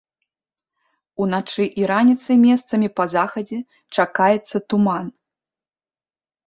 Уначы і раніцай месцамі па захадзе чакаецца туман.